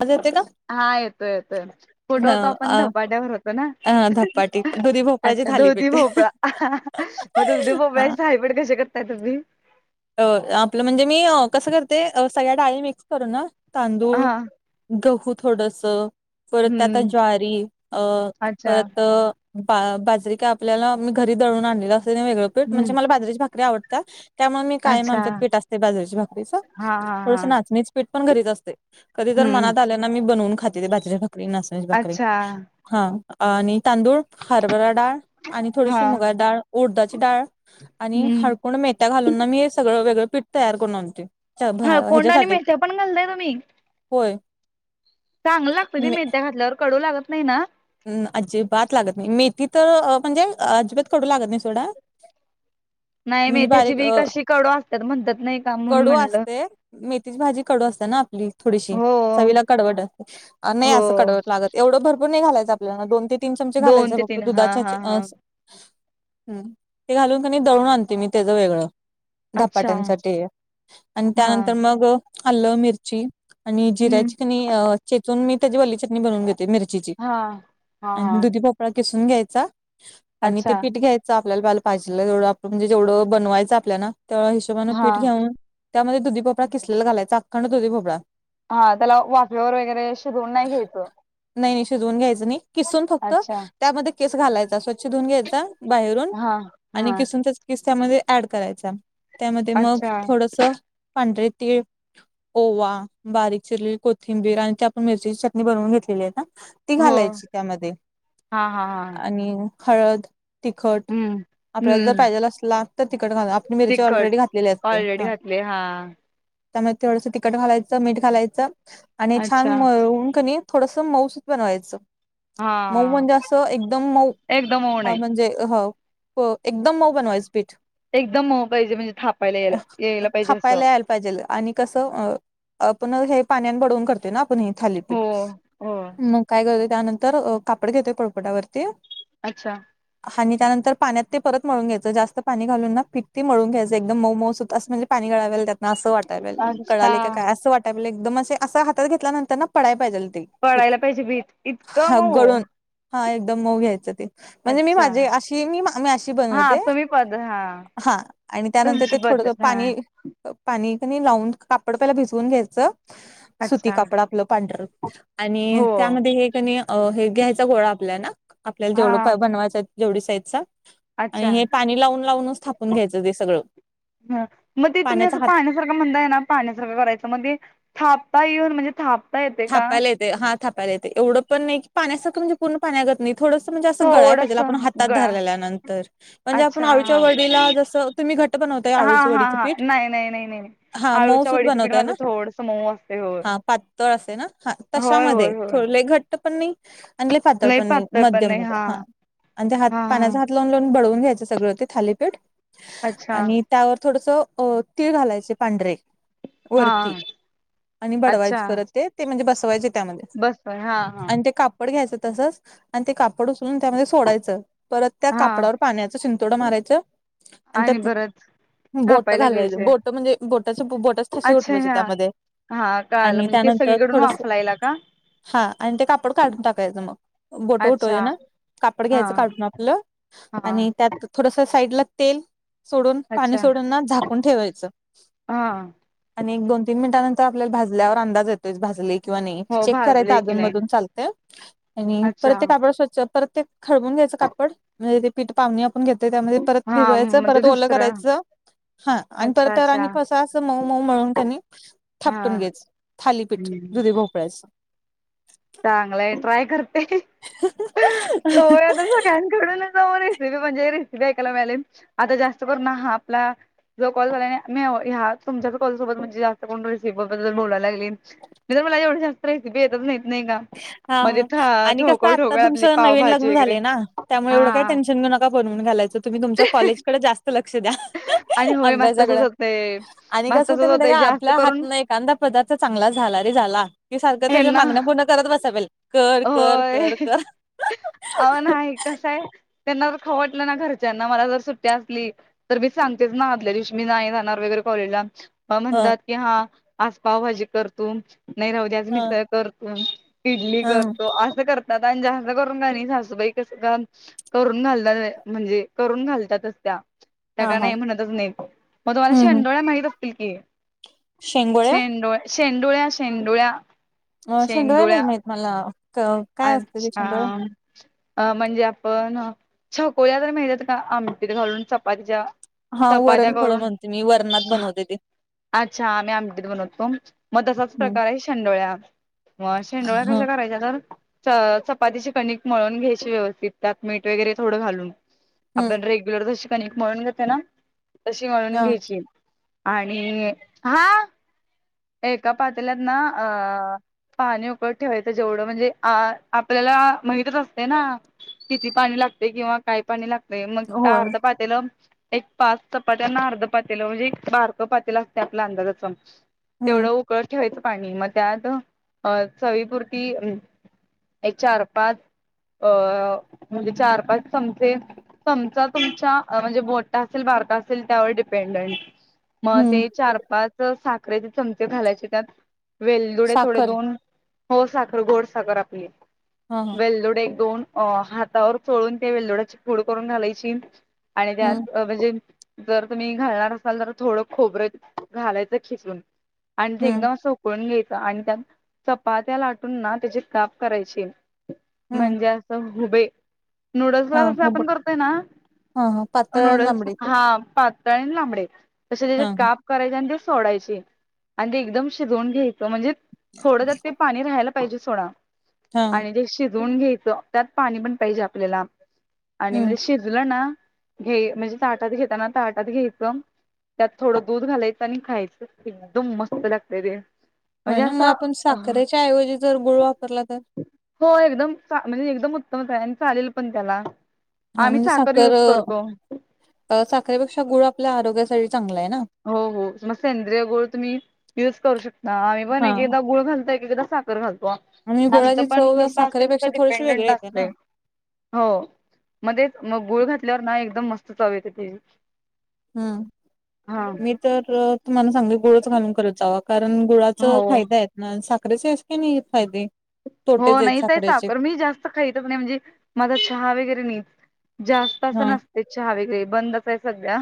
आवाज येतोय का? हां येतोय येतोय कुठं न होतो आपण अ धपाट्यावर होतो ना? अ धपाटी दुधी भोपळ्याची अच्छा दुधी थालीपीठ. भोपळा, मग दुधी हा भोपळ्याचे थालीपीठ कसे करताय तुम्ही? अ आपलं म्हणजे मी कसं करते अ सगळ्या डाळी मिक्स करून तांदूळ हा गहू थोडसं परत आता हम्म ज्वारी अ अच्छा परत बा-बाजरी काय आपल्याला मी घरी दळून आणलेलं असतंय वेगळं पीठ, हम्म म्हणजे मला बाजरीची भाकरी आवडत्या. त्यामुळे मी कायम अच्छा आमच्यात पीठ असतंय बाजरीच्या भाकरीच. हा हा हा थोडसं नाचणीच पीठ पण घरीच असतंय. कधी तर हम्म मनात आलं ना मी बनवून खाते ते बाजरीची भाकरी, नाचणीची भाकरी. अच्छा हां आणि तांदूळ, हरभरा डाळ आणि हा थोडीशी मुगा डाळ, उडदाची डाळ आणि हम्म हळकुंड मेथ्या घालून ना मी हे वेगळे पीठ तयार करून आणतोय. हळकुंड आणि ह्याच्यासाठी मेथ्या पण घालताय तुम्ही? होय. चांगलं लागतं ते मेथ्या घातल्यावर? कडू लागत नाही ना? अम्म अजिबात लागत नाही मेथी तर अ म्हणजे अजिबात कडू लागत नाही सोडा. नाही म्हणजे मेथ्याची बारीक बी अ, कशी कडू असत्यात म्हणत्यात नाही का? म्हणून कडू म्हणलं. असते मेथीची भाजी कडू असते ना आपली थोडीशी, हो चवीला कडवड नाही हो असं कडवड लागत. एवढं भरपूर नाही घालायचं आपल्याला, दोन ते तीन चमचे दोन घालायचे ते फक्त तीन हा दुधाच्या हा [unintelligible] हा हम्म, ते घालून क नाही दळून आणते मी त्याचं वेगळं. अच्छा धपाट्यांसाठी आणि हा त्यानंतर मग आलं, मिरची आणि हम्म जिर्‍याची क नाई अ चेचून मी त्याची वल्ली चटणी बनवून घेते मिरचीची. हां. आणि दुधी भोपळा किसून घ्यायचा आणि ते अच्छा पीठ घ्याय चा आपल्याला पाल पाहिजेल तेवढं [unintelligible] म्हणजे जेवढं बनवायचं आहे आपल्याला तेवढ्या हिशोबाने हा पीठ घेऊन त्यामध्ये दुधी भोपळा किसलेला घालायचा अखंड दुधी भोपळा. हां त्याला वाफेवर वगैरे शिजवून नाही घ्यायचं? नाही नाही शिजवून घ्यायचं नाही किसून फक्त अच्छा त्यामध्ये किस घालायचा स्वच्छ धुऊन घ्यायचा. बाहेरून हा आणि हा किसून त्याचा किस त्यामध्ये ऍड करायचा. त्यामध्ये मग अच्छा थोडसं पांढरे तीळ ओवा, बारीक चिरलेली कोथिंबीर आणि ती आपण मिरचीची चटणी बनवून घेतलेली आहे ना. ती हो घालायची त्यामध्ये हा हा हा आणि हळद. तिखट हम्म आपल्याला जर हम्म पाहिजेल असला तर तिखट घाला मिरची तिखट ऑलरेडी घातलेली असते ऑलरेडी हां. घातले हा त्यामुळे थोडसं तिखट घालायचं, मीठ घालायचं आणि छान अच्छा मळून क नाई थोडस मऊसुत बनवायचं. हा मऊ म्हणजे असं एकदम मऊ एकदम मऊ नाही म्हणजे ह प एकदम मऊ बनवाच पीठ एकदम हो पाहिजे म्हणजे थापायलाय यायला पाहिजे असं. थापायला यायला पाहिजेल आणि कस आपण हे पाण्या बडवून करते ना. पण हो थालीपीठ हो मग काय करतय त्यानंतर कापड घेतोय पोलपाटा वरती. अच्छा? आणि त्यानंतर पाण्यात ते परतळून घ्यायचं जास्त पाणी घालून ना पिठते मळून घ्यायचं एकदम मऊ मऊ सुत अस म्हणजे. पाणी घाळाला त्यात. ना असं वाटाय पाहिजे अच्छा गळाले का काय असं वाटावेल एकदम असे हातात घेतल्यानंतर ना पडय पाहिजे ते. पीठ पडायला पाहिजे भीट. हा गळून हा एकदम मऊ घ्यायचं ते. म्हणजे मी अच्छा माझी अशी मी अशी हा बनवते. तुम्ही पद हा हा आणि त्यानंतर तुमची ते थोडंस पद्धत हा पाणी. पाणी का नी लावून कापड पहिला भिजवून घ्यायचं. सुती अच्छा कापड आपलं पांढर आणि हो त्यामध्ये हे. हे घ्यायचा गोळा आपल्या ना आपल्याला हा जेवढं बनवायच जेवढी साईजचा. अच्छा आणि हे पाणी लावून लावूनच थापून घ्यायचं ते सगळं, पाण्याचा हात म्हण ना पाण्यासारंख करायचं म्हणे थापता येऊन म्हणजे थाप थापायला येते ह थापायला येतय येवढ नाही की पाण्यासारं पूर्ण पाण्यागत नईत. थोडस म्हणजे असं गळाय पाहिजे थोडस आपण हातात गळा धरलेल्यानंतर म्हणजे आपण अच्छा आळुच्या हा वडीला जसं. तुम्ही घट्ट बनवताय हा आळूच हा वडीचं हा पीठ? नाही नाही नाही नाही नाही हा आळूच्या मऊसूद वडीचं पीठ बनवताय माझं ना थोडस मऊ असते होय हा पात पातळ होय तशामध्ये होय होय थोड लय घट्ट पण नाही. चांगले लय पातळपण नाही पातळ पण नाही मध्यम हा आणि जे हात हा हा पाण्याचा हात. लावून लावून बडवून घ्यायचं सगळं ते थालीपीठ अच्छा आणि. त्यावर थोडस तीळ घालायचे पांढरे. हा वरती आणि अच्छा बडवायची परत ते म्हणजे बसवायचे. त्यामध्ये बस हा हा आणि ते कापड घ्यायचं तसच आणि ते कापड उचलून त्यामध्ये सोडायचं. परत त्या हा कापडावर पाण्याच शिंतोडं मारायचं आणि त्यात. बोट थापायला घालायचे, घ्यायचंय बोट म्हणजे बोटाच बोटच ठसे अच्छा उठवाचे हा त्यामध्ये. हा कळाल, आणि म्हणजे ते त्यानंतर सगळीकडून थोडस वाफलायला का. हा आणि ते कापड काढून टाकायचं मग. बोट उठवले अच्छा ना कापड हा घ्यायचं काढून आपलं हा आणि त्यात. थोडस साईड ला तेल सोडून अच्छा पाणी सोडून ना झाकून ठेवायचं. हा आणि एक दोन तीन मिनटानंतर आपल्याला भाजल्यावर अंदाज येतोय भाजलय. किंवा नाही हो चेक करायच भाजले की नाही अधूनमधून चालतेय आणि अच्छा परत ते कापड स्वच्छ. परत ते खडबून घ्यायचं कापड म्हणजे ते. पीठ पावणी आपण घेतेय त्यामध्ये परत हा भिजवायचं म्हणजे परत ओल दुसरं करायचं. हा आणि अच्छा तरतर अच्छा आणि फस अस मऊ मऊ मळून कनी हा थापटून घ्यायच. थालीपीठ दुधी भोपळायचं. चांगले ट्राय करते, ओव्हराच वाटतंय. प्लॅन कडून जा रेसिपी म्हणजे रेसिपी ऐकायला मिळाली आता जास्त करून हा आपला. ज कॉल झाला आणि आ ह्या तुमच्या कॉलसोबत म्हणजे जास्त कोणी रेसिपी बद्दल बोलायला लागली. नाहीतर मला येवढ्या रेसिपी येतच नाहीत, नाही का. हा, म्हणजे हा आणि कसं ठोकळ आता ठोकळ आपली तुमचं नवीन पावभाजी लग्न वगैरे झालंय ना, त्यामुळे हा एवढं काय टेन्शन घेऊ नका. बनून घालायचं, तुम्ही तुमच्या कॉलेजकडे जास्त लक्ष द्या, आणि होय मस्त अभ्यासाकड तसच होतय आणि कस मस्त होत तसच माहितीये होतय का? जास्त आपल्या करून हातन एक एकांदा पदार्थ चांगला झाला रे झाला, की सारखं त्याच्या हेना मागण्या पूर्ण करत बसावेल होय. अहो नाही, कसं आहे त्यांना तर खाऊ वाटलं ना घरच्यांना, मला जर सुट्टी असली तर मी सांगतेच ना आदल्या दिवशी मी नाही जाणार वगैरे कॉलेजला. ह म्हणतात की हा आज पावभाजी कर तू, नाही राहु आज ह मिसळ कर तू, इडली कर. ह असं करतात आणि जास्त करून का नाही सासूबाई कसं का. करून घालतात म्हणजे, करून घालत्यातच त्या. त्या हा का हा नाही म्हणतच नाही, मग तुम्हाला हम्म हम् शेंडोळ्या माहित असतील की शेंगोळ्या शेंडोळ शेंडोळ्या, शेंडोळ्या. अ शेंडोळ्या नाही माहीत मला, काय असतं ते अच्छा शेंडोळ्या. अ म्हणजे आपण चकोल्या तरी माहीत आहेत का, आमटीत घालून चपातीच्या हा चपात्या वरणफळ करून म्हणते मी, वरणात बनवते ते. अच्छा आम्ही आमटीत बनवतो, मग तशाच हम्म प्रकारे शेंडोळ्या. मग शेंडोळ्या हम्म कशा करायच्या? चपातीची कणिक मळून घ्यायची व्यवस्थित त्यात मीठ वगैरे थोडं घालून. आपण रेग्युलर जशी कणीक मळून घेतोय ना, तशी मळून हम्म घ्यायची. आणि, हा. एका पातल्यात ना अ पाणी उकळ ठेवायचं जेवढं म्हणजे, आपल्याला माहितच असते ना. किती पाणी लागते, किंवा काय पाणी लागते. मग होय अर्ध पा त्यान एक पाच चपात्यांना अर्ध पातेलं म्हणजे एक बारक पातेल असते आपल अंदाजाच तेवढं हम्म उकळत ठेवायचं पाणी, मग त्यात अ चवीपुरती. एक चार पाच अं.. म्हणजे चार पाच चमचे. चमचा तुमचा अ म्हणजे, मोठा असेल बारका असेल त्यावर डिपेन्डाय. म हम्म ते चार पाच साखरेचे चमचे घालायचे त्यात वेलदुडे थोडे साखर दोन, हो साखर गोडसाखर आपली. हा हा वेलदोडे एक दोन अ हातावर चोळून ते वेलदोड्याची फूड करून घालायची आणि हम्म त्यात अ. म्हणजे जर तुम्ही घालणार असाल तर, थोडं खोबरं घालायचं खिसून. आणि ते हम्म एकदम अस उकळून घ्यायच आणि त्यात चपात्या लाटून ना त्याचे काप करायचे हम्म म्हणजे असं उभे. नूडल्स हा ला जसं हो बघ आपण करतोय ना, हा हा पातळ आणि नूडल्स लांबडी हा पात तळे आणि लांबडे तसे त्यांचे हा काप करायचे, आणि ते सोडायचे. आणि ते एकदम शिजवून घ्यायचं म्हणजे, थोडं त्यात ते पाणी राहायला पाहिजे सोडा. हा आणि ते शिजवून घ्यायचं त्यात पाणी पण पाहिजे आपल्याला आणि म्हणजे हम्म शी हिला ना घे म्हणजे ताटात घेताना ताटात घ्यायचं त्यात थोडं दूध घालायचं आणि, खायचं एकदम मस्त लागतंय ते. होय म्हणजे ना म असं आपण साखरेच्या ऐवजी जर गुळ वापरला तर हो एकदम चा म्हणजे एकदम उत्तमच आहे आणि चालेल पण त्याला हा आम्ही साखर यूज करतो. त्या साखरेपेक्षा गुळ आपल्या, आरोग्यासाठी चांगला आहे ना. हो हो मग सेंद्रिय गुळ तुम्ही यूज करू शकता, आम्ही पण हा एकेकदा गुळ घालतो एकेकदा साखर. [unintelligible] घालतो आणि आमचं गुळाची पण चव जसं [unintelligible] साखरेपेक्षा थोडीशी वेगळी डिपेंडंट येते ना असतंय. हो मग तेच मग गुळ घातल्यावर ना, एकदम मस्त चव येते ते. ह.... हा..... तर तुम्हाला चांगले गुळच घालून करत जावा कारण गुळाच हो फायदा आहेत. ना साखरेचे तिन्ही ही फायदे हो तोटेच आहेत नाय ताई साखरेचे साखर मी जास्त खायच नाही म्हणजे माझा चहा वगैरे नाही जास्त हा असं. ते चहा वेगळे बंदच आहे सध्या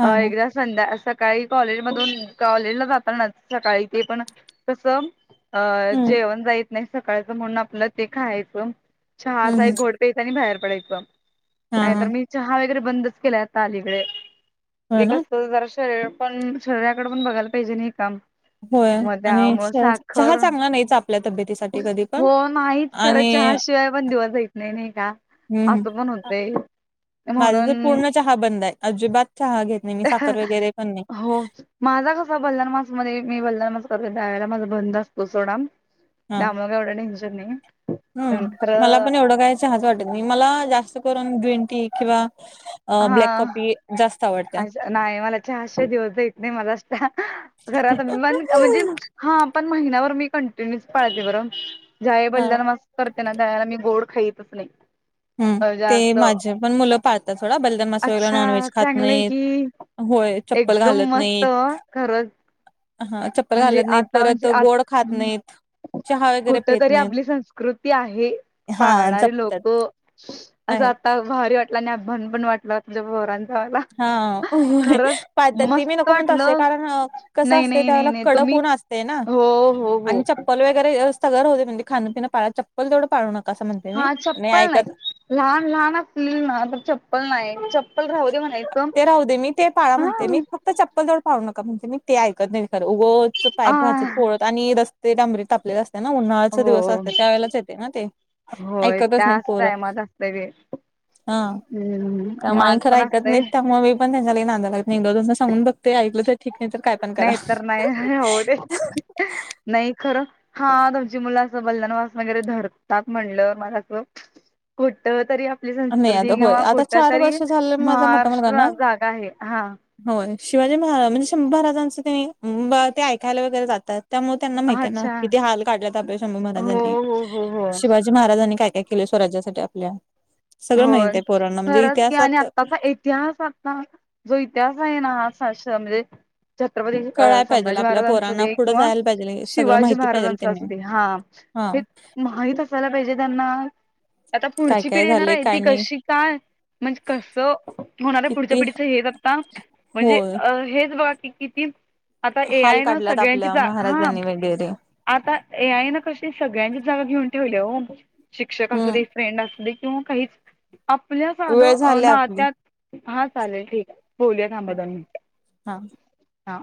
हा हा एकदाच संध्या सकाळी कॉलेज मधून कॉलेजला जाता ना सकाळी ते पण कसं. अ हम्म जेवण जाईत नाय सकाळचं म्हणून आपलं ते खायचं हम्म चहाचा एक हम्म. घोट प्यायचं आणि बाहेर पडायचं हा हा नाहीतर मी चहा वगैरे बंदच केलाय आता अलीकडे होय ते ना कस जरा शरीर पण शरीराकड पण बघायला पाहिजे नाय काम होय आणि चहा चांगला नाहीच आपल्या तब्येतीसाठी कधी पण हो नाहीच खरं आणि चहाशिवाय पण दिवस जाईत नाही नाही का असं पण होतंय. माझा म्हणून तर पूर्ण चहा बंद आहे अजिबात चहा घेत नाही मी साखर वगैरे पण नाय. हो च माझा कसा बलदान मासमध्ये मी बलदान मास करते द्यायला माझा बंद असतो सोडा हा त्यामुळे काय एवढे टेन्शन नाही. मला खरं पण एवढं काय चहाच वाटत नाही मला जास्त करून ग्रीनटी किंवा अ ब्लॅक कॉपी जास्त आवडते. हर्ष नाही मला चहा शिवाय दिवस जाईत नाही मला घरात मन म्हणजे हा पण महिनाभर मी कंटिन्यूच पाळते बरं जय हा बलिदानमास करताना तयार गोड खाईतच नाही. हम ते जास्त माझे पण मुलं पाळतात सोडा बलदान मास वेळेला अच्छा नॉनव्हेज खात चांगलंय नाहीत. की होय चप्पल एकदम घालत मस्त नाहीत खरंच हा चप्पल म्हणजे घालत नाहीत आता परत म्हणजे आ गोड खात नाहीत. चहा वगैरे कुठ पेत तरी नाहीत आपली संस्कृती आहे हा पाळणारी लोक जपत्यात असं आता भारी वाटल भन भन वाटलं तुमच्या पोरांनी हा होय होय पाळतात ते मस्त मी नको म्हणत असतोय वाटलं कारण कसं नाही असते नाही नाही त्यावेळेला नाही कडक तुम्ही ऊन असते ना हो हो हो आणि चप्पल वगैरे अस सगळं राहूद्या म्हणते खान पिन पाळा चप्पल तेवढ पाळू नकांसा म्हणते हा मी चप्पल नाही ऐकत लहान लहान असली ना तर चप्पल नाय. पण राहू दे म्हणायचं ते राहू दे मी पाळा हा.. म्हणते मी फक्त ते चप्पल तेवढं पाळु नका म्हणते मी ते ऐकत नाहीत खरं उग सो ताय आ कुणाचं पोळत आणि रस्ते डांबरी तापले असते ना उन्हाळ्याचे हो दिवस असतात त्यावेळेलाच येते ना ते होय ऐकतच नाही त्याच पोरं टाईमात असतंय ते हम माझ पण असतं. नाही त्यामुळे मी पण त्यांच्या लई नादाला लागत नाही एकदा दोनदा सांगून बघतेय ऐकलं तर ठीक नाही तर काय पण नाय तर नाय हो ते करा नाय खरं हा तुमची मुलाचं बलदान मास वगैरे धरतात म्हणलं मला असं कुठ तरी अप आपली नाही आता संस्कृती होय किंवा आता कुठ चार तरी वर्ष झालं माझा मोठा मुलगा ना महाराष्ट्र जागा आहे. हा होय शिवाजी महाराज म्हणजे शंभू महाराजांचं तनी ते ऐकायला वगैरे जातात त्यामुळे त्यांना माहित आहे ना अच्छा किती हाल काढल्यात आपल्या शंभू हो महाराजांनी हो हो हो शिवाजी शिवाजी महाराजांनी काय काय केले स्वराज्यासाठी आपल्या सगळं माहित होय आहे पोरांना म्हणजे खरंच की आणि इतिहासात आताचा एक त्या सालचा जो इतिहास आहेना जो अक्षसा ना म्हणजे छत्रपती कळायला पाहिजे संभाजी आपल्या महाराजांचा असू पोरांना दे पुढं किंवा जायला पाहिजे सगळं शिवाजी माहिती पाहिजे महाराजांचा त्यांनी असू दे हा हा हे माहित असायला पाहिजे त्यांना आता काय पुढची काय पिढी झाले आहे काय ती नाही कशी काय म्हणजे कसं होणार आहे पुढच्या किती पिढीचं हेच आता हो म्हणजे अ हेच बाघा की किती आता हाल एआय न काढल्यात सगळ्यांची आपल्या जा हा महाराजांनी वगैरे आता ए आय ना कशी सगळ्यांची जागा घेऊन ठेवली हो शिक्षक असु हम्म दे ट्रेंड असले किंवा आपल्या साध वेळ झाली आपली नात्यात हा चालेल ठीक आहे बोलूया थांबा दोन मिनिट हा हा.